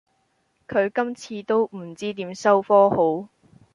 佢今次都唔知點收科好